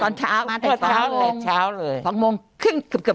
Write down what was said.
ตอนเช้ามาแต่เช้าเลยเช้าเลยสองโมงครึ่งเกือบเกือบ